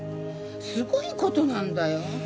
すごい事なんだよ！